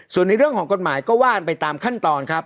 ส่วนในเรื่องของกฎหมายก็ว่ากันไปตามขั้นตอนครับ